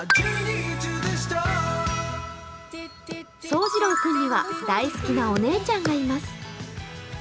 そうじろう君には大好きなお姉ちゃんがいます。